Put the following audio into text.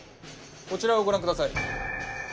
こちらをご覧ください。